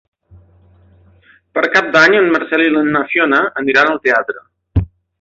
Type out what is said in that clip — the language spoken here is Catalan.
Per Cap d'Any en Marcel i na Fiona aniran al teatre.